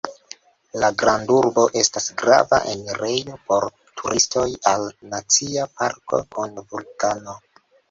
La grandurbo estas grava enirejo por turistoj al Nacia parko kun vulkano.